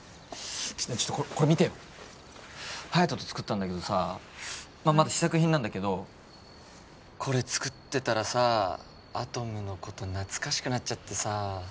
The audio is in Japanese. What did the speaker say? ちょっとこれ見てよ隼人と作ったんだけどさまだ試作品なんだけどこれ作ってたらさアトムのこと懐かしくなっちゃってさあ